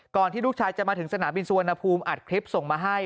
ที่ลูกชายจะมาถึงสนามบินสุวรรณภูมิอัดคลิปส่งมาให้